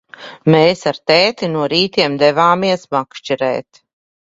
Mēs ar tēti no rītiem devāmies makšķerēt.